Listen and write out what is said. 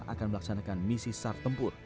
akan melaksanakan misi sar tempur